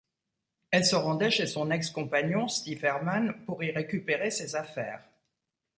Elle se rendait chez son ex-compagnon, Steve Herman, pour y récupérer ses affaires.